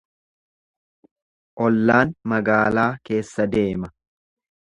Ollaan magaalaa keessa deema.